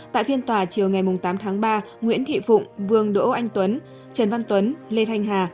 tại phiên tòa chiều ngày tám tháng ba nguyễn thị phụng vương đỗ anh tuấn trần văn tuấn lê thanh hà